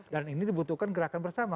dan ini dibutuhkan gerakan bersama